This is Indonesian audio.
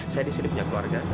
saya disini punya keluarga